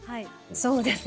そうです。